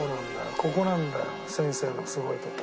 ここなんだよ先生のすごいとこは。